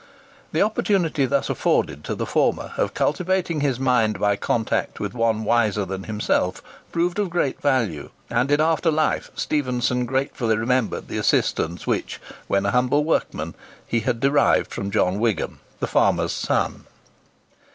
The opportunity thus afforded to the former of cultivating his mind by contact with one wiser than himself proved of great value, and in after life Stephenson gratefully remembered the assistance which, when a humble workman, he had derived from John Wigham, the farmer's son.